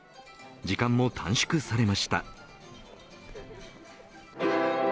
時間も短縮されました。